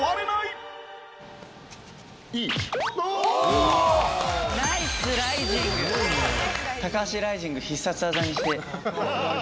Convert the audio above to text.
高橋ライジング必殺技にして。